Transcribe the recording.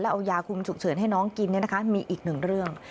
เอายาคุมฉุกเฉินให้น้องกินมีอีกหนึ่งเรื่อง